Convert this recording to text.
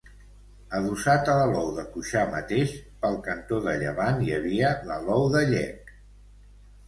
Adossat a l'alou de Cuixà mateix, pel cantó de llevant hi havia l'alou de Llec.